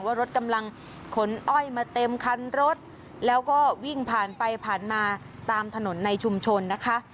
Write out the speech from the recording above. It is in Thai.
ว่ารถกำลังขนอ้อยมาเต็มคันรถแล้วก็วิ่งผ่านไปผ่านมาตามถนนในชุมชนนะคะ